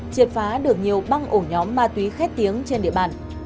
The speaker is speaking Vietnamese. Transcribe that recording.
triệt phá được nhiều băng ổ nhóm ma túy khét tiếng trên địa bàn